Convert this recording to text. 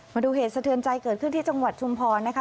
มาดูเหตุสะเทือนใจเกิดขึ้นที่จังหวัดชุมพรนะคะ